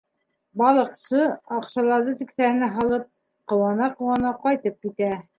Балыҡсы, аҡсаларҙы кеҫәһенә һалып, ҡыуана-ҡыуана ҡайтып китә.